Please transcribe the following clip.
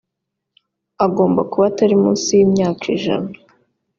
agomba kuba atari munsi y imyaka ijana